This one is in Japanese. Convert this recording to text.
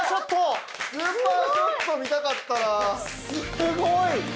すごい！